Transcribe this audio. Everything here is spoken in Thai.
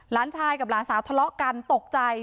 หลานชายกับหลานสาวทะเลาะกันตกใจ